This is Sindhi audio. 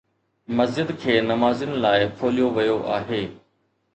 مسجد کي نمازين لاءِ کوليو ويو آهي